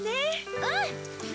うん！